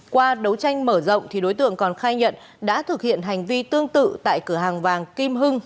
qua đấu tranh mở rộng đối tượng còn khai nhận đã thực hiện hành vi tương tự tại cửa hàng vàng kim hưng